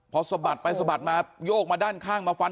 พอสะบัดไปสะบัดมาโยกมาด้านข้างมาฟัน